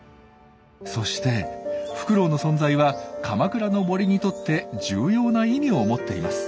そしてフクロウの存在は鎌倉の森にとって重要な意味を持っています。